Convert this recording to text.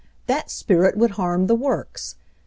That spirit would harm the works.